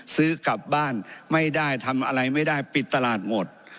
ซื้อกลับบ้านไม่ได้ทำอะไรไม่ได้ปิดตลาดหมด